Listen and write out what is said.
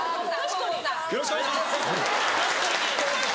よろしくお願いします！